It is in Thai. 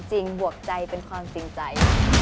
จริงว่ากใจเป็นความจริงใจ